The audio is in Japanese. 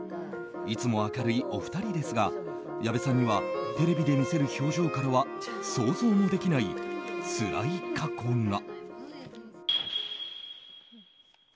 いつも明るいお二人ですが矢部さんにはテレビで見せる表情からは想像もできないつらい過去が。